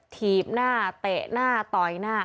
ถีบหน้าเตะหน้าต่อยหน้า